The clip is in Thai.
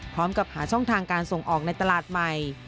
พร้อมกับหาช่องทางการส่งออกในตลาดใหม่